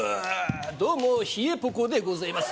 どうも冷えポコでございます